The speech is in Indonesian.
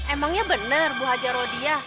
emangnya bener bu haji rodia